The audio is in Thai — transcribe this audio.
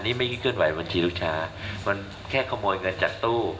นี่ไม่ใช่เคลื่อนไหวบัญชีลูกค้ามันแค่ขโมยเงินจากตู้